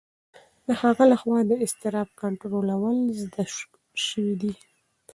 د هغه لخوا د اضطراب کنټرول زده شوی دی.